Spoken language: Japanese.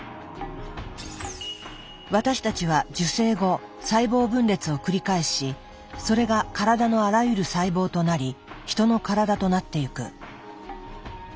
私たちは受精後細胞分裂を繰り返しそれが体のあらゆる細胞となりヒトの体となってゆく。